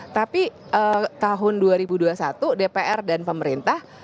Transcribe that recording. tapi tahun dua ribu dua puluh satu dpr dan pemerintah